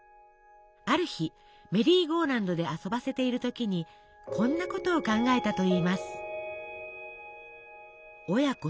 ある日メリーゴーランドで遊ばせている時にこんなことを考えたといいます。